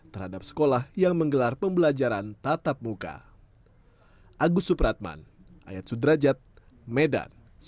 terhadap sekolah yang menggelar pembelajaran tatap muka